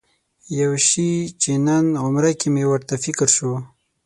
یو شي چې نن عمره کې مې ورته فکر شو.